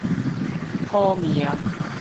好命